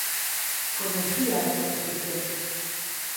Coñecía a composición.